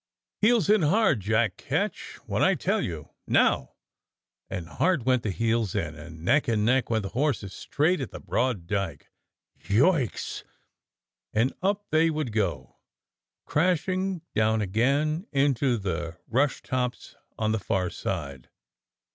"Heels in hard, Jack Ketch, when I tell you. Now !" And hard went the heels in, and neck to neck went the horses straight at the broad dyke. "Yoikes!" And up they would go, crashing down again into the rush tops on the far side.